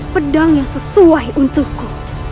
pedang yang sesuai untukku